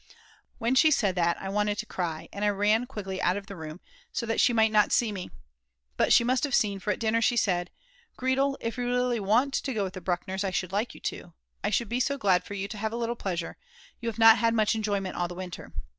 When she said that I wanted to cry, and I ran quickly out of the room so that she might not see me. But she must have seen, for after dinner she said: "Gretel, if you really want to go with the Bruckners, I should like you to; I should be so glad for you to have a little pleasure, you have not had much enjoyment all the winter."